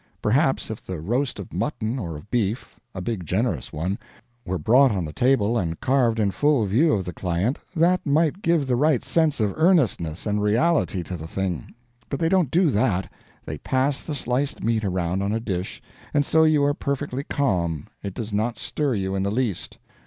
Perhaps if the roast of mutton or of beef a big, generous one were brought on the table and carved in full view of the client, that might give the right sense of earnestness and reality to the thing; but they don't do that, they pass the sliced meat around on a dish, and so you are perfectly calm, it does not stir you in the least.